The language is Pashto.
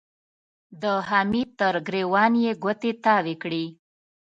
د حميد تر ګرېوان يې ګوتې تاوې کړې.